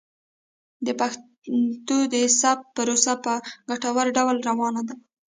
د پښتو د ثبت پروسه په ګټور ډول روانه ده.